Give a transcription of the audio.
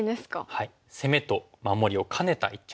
はい攻めと守りを兼ねた一着。